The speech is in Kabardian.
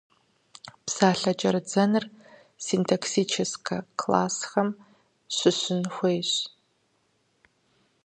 Псалъэ кӏэрыдзэныр синтаксическэ классхэм щыщын хуейщ.